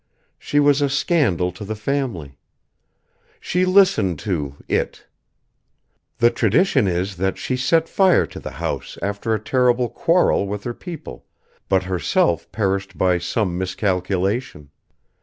She was a scandal to the family. She listened to It ! The tradition is that she set fire to the house after a terrible quarrel with her people, but herself perished by some miscalculation.